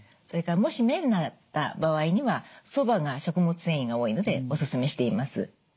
それからもし麺だった場合にはそばが食物繊維が多いのでおすすめしています。